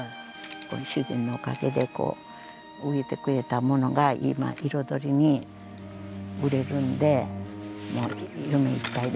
主人のおかげでこう植えてくれたものが今彩りに売れるんで夢いっぱいです。